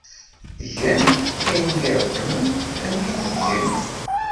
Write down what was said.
Gan ayen ay ṛeggmen ad iyi-t-gen.